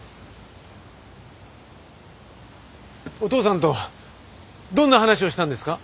お父さんとどんな話をしたんですか？